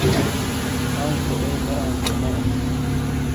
اَوں تو اے نے اَوں تو نے اے۔